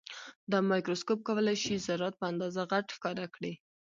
دا مایکروسکوپ کولای شي ذرات په اندازه غټ ښکاره کړي.